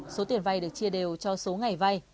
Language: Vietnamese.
số tiền vay được chia đều cho số ngày vay